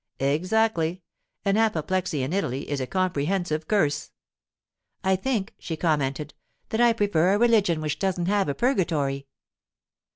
'Exactly. An apoplexy in Italy is a comprehensive curse.' 'I think,' she commented, 'that I prefer a religion which doesn't have a purgatory.